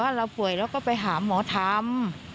ว่าเราป่วยแล้วก็ไปหาหมอทำอืม